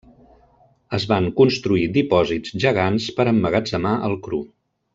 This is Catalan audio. Es van construir dipòsits gegants per emmagatzemar el cru.